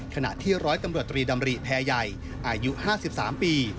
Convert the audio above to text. ขณะที่ร้อยตำรวจตรีดำริแพรใหญ่อายุ๕๓ปี